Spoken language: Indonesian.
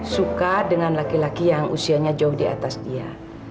suka dengan laki laki yang usianya jauh di atas dia